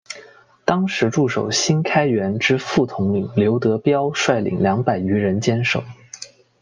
当时驻守新开园之副统领刘德杓率领二百余人坚守。